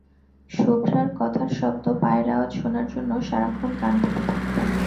শুভ্রার কথার শব্দ, পায়ের আওয়াজ শোনার জন্য সারাক্ষণ কান পেতে থাকতাম।